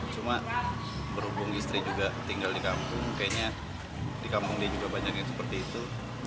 cuma berhubung istri juga tinggal di kampung kayaknya di kampung dia juga banyak yang seperti itu